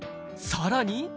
さらに。